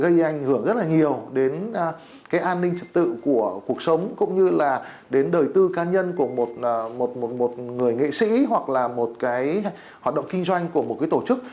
gây ảnh hưởng rất là nhiều đến cái an ninh trật tự của cuộc sống cũng như là đến đời tư cá nhân của một người nghệ sĩ hoặc là một cái hoạt động kinh doanh của một cái tổ chức